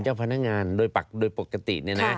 เจ้าพนักงานโดยปกติ